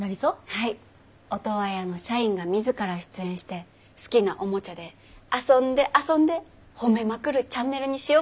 はいオトワヤの社員が自ら出演して好きなおもちゃで遊んで遊んで褒めまくるチャンネルにしようかと。